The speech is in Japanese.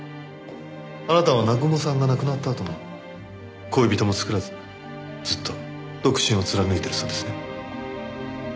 あなたは南雲さんが亡くなったあとも恋人も作らずずっと独身を貫いてるそうですね。